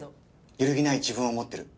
ゆるぎない自分を持ってる。